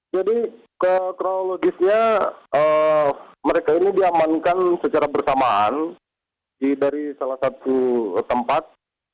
jadi kronologisnya mereka ini diamankan secara bersamaan dari salah satu tempat